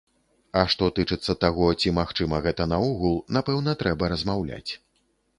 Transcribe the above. А што тычыцца таго, ці магчыма гэта наогул, напэўна трэба размаўляць.